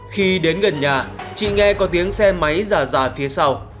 khi đến gần nhà chị nghe có tiếng xe máy rà rà phía sau